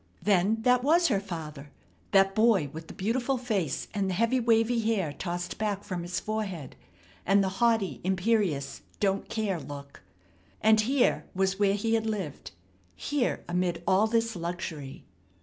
Then that was her father, that boy with the beautiful face and the heavy wavy hair tossed back from his forehead, and the haughty, imperious, don't care look. And here was where he had lived. Here amid all this luxury.